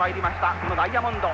このダイヤモンド。